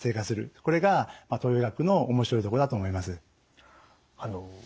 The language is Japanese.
これが東洋医学の面白いところだと思います。